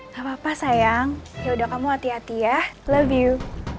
gapapa sayang yaudah kamu hati hati ya love you